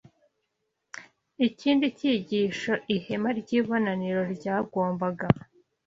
Ikindi cyigisho ihema ry’ibonaniro ryagombaga